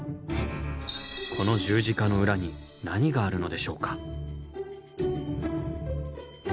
この十字架の裏に何があるのでしょうか？